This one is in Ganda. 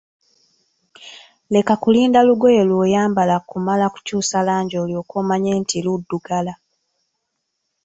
Leka kulinda lugoye lw'oyambala kumala kukyusa langi olyoke omanye nti luddugala.